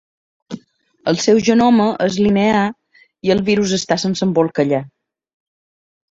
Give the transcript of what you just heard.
El seu genoma és linear i el virus està sense embolcallar.